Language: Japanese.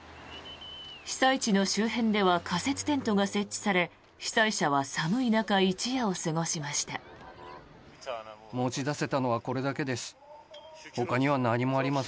被災地の周辺では仮設テントが設置され被災者は寒い中、一夜を過ごしました。